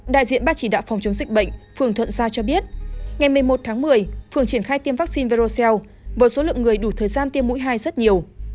đại diện ban chỉ đạo phòng chống dịch bệnh phường thuận sa cho biết ngày một mươi một tháng một mươi phường triển khai tiêm vaccine với số lượng người đủ thời gian tiêm mũi hai rất nhiều